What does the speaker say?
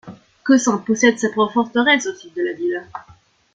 Kozan possède sa propre forteresse au sud de la ville.